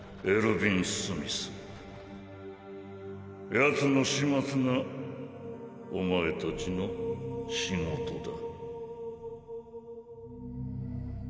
ヤツの始末がお前たちの仕事だ。